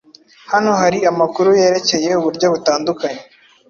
Hano hari amakuru yerekeye uburyo butandukanye